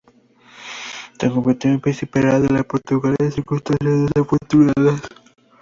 Se convirtió en Príncipe Real de Portugal en circunstancias desafortunadas.